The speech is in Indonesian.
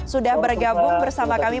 sudah bergabung bersama kami